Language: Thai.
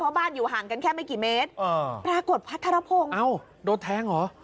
บ้านอยู่ห่างกันแค่ไม่กี่เมตรอ่าปรากฏพัทรพงศ์เอ้าโดนแทงเหรอ